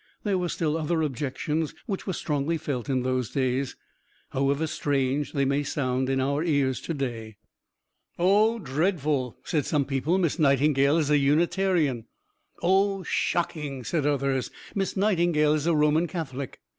There were still other objections, which were strongly felt in those days, however strange they may sound in our ears to day. "Oh, dreadful!" said some people; "Miss Nightingale is a Unitarian!" "Oh, shocking!" said others. "Miss Nightingale is a Roman Catholic!"